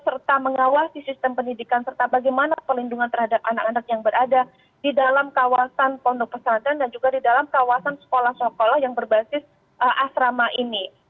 serta mengawasi sistem pendidikan serta bagaimana pelindungan terhadap anak anak yang berada di dalam kawasan pondok pesantren dan juga di dalam kawasan sekolah sekolah yang berbasis asrama ini